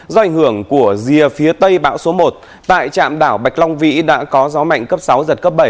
do ảnh hưởng của rìa phía tây bão số một tại trạm đảo bạch long vĩ đã có gió mạnh cấp sáu giật cấp bảy